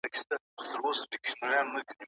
توحيد ته رسېدل د عقل او علم کار دی.